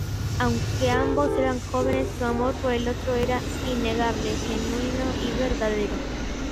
Aunque ambos eran jóvenes, su amor por el otro era innegable genuino y verdadero.